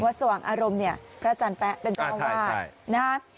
วัดสว่างอารมณ์เนี่ยพระอาจารย์แป๊ะเป็นกล้องวาด